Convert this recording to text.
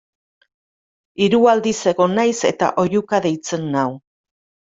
Hiru aldiz egon naiz eta oihuka deitzen nau.